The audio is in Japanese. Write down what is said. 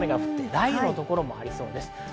雷雨の所もありそうです。